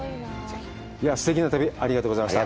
すてきな旅、ありがとうございました。